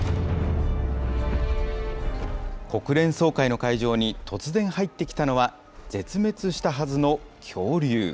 国連総会の会場に、突然入ってきたのは、絶滅したはずの恐竜。